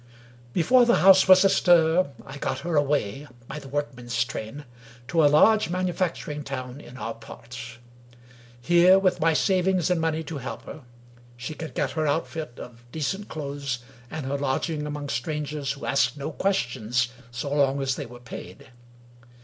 Before the house was astir, I got her away (by the work men's train) to a large manufacturing town in our parts. Here — ^with my savings in money to help her — she could get her outfit of decent clothes and her lodging among strangers who asked no questions so long as they were paid.